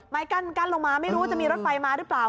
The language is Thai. ไม้กั้นกั้นลงมาไม่รู้จะมีรถไฟมาหรือเปล่า